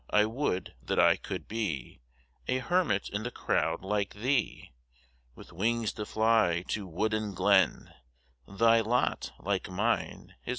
I would that I could be A hermit in the crowd like thee ! With wings to fly to wood and glen, Thy lot, like mine, is